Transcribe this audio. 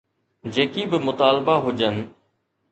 جيڪي به مطالبا هجن.